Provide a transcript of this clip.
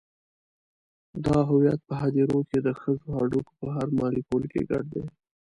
دا هویت په هدیرو کې د ښخو هډوکو په هر مالیکول کې ګډ دی.